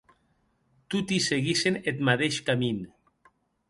Toti seguissen eth madeish camin.